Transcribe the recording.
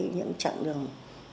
những chặng đường